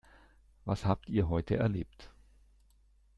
Was habt ihr heute erlebt?